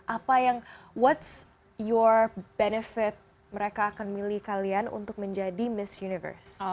apa yang what's your benefit mereka akan milih kalian untuk menjadi miss universe